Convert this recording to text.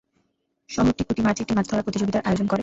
শহরটি প্রতি মার্চে একটি মাছ ধরার প্রতিযোগিতার আয়োজন করে।